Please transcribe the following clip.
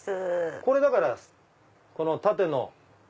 これだから縦の。